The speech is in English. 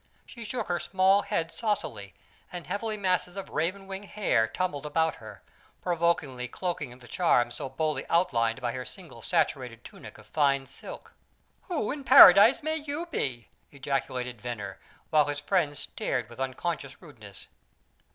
She shook her small head saucily, and heavy masses of raven wing hair tumbled about her, provokingly cloaking the charms so boldly outlined by her single saturated tunic of fine silk. "Who in paradise may you be?" ejaculated Venner, while his friends stared with unconscious rudeness.